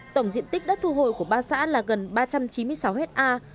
tổng diện tích đất thu hồi của ba xã là gần ba trăm chín mươi sáu hectare